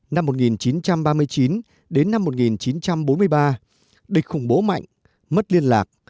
năm một nghìn chín trăm ba mươi chín đến năm một nghìn chín trăm bốn mươi ba địch khủng bố mạnh mất liên lạc